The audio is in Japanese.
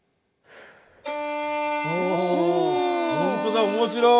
ほんとだ面白い。